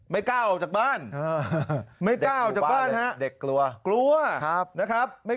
ไม่กล้าออกจากบ้านไม่กล้าออกจากบ้านฮะเด็กกลัวกลัวนะครับ